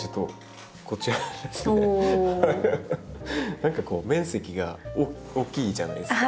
何かこう面積が大きいじゃないですか。